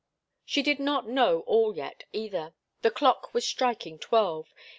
She did not know all yet, either. The clock was striking twelve.